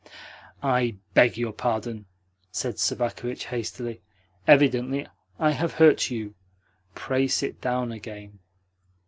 "I BEG your pardon!" said Sobakevitch hastily. "Evidently I have hurt you. Pray sit down again."